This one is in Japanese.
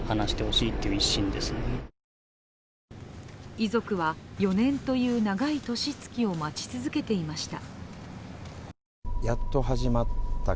遺族は４年という長い年月を待ち続けていました。